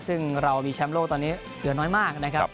ซึ่งเรามีแชมป์โลกตอนนี้เหลือน้อยมากนะครับ